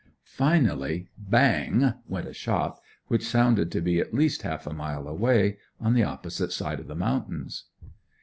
Finally, bang! went a shot, which sounded to be at least half a mile away, on the opposite side of the mountains.